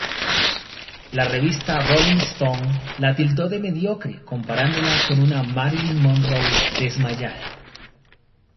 La revista Rolling Stone la tildó de mediocre comparándola con una Marilyn Monroe desmayada.